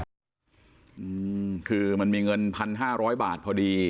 อืมคือมันมีเงิน๑๕๐๐บาทพอดี